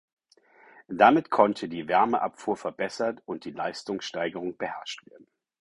Damit konnte die Wärmeabfuhr verbessert und die Leistungssteigerung beherrscht werden.